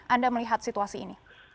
anda melihat situasi ini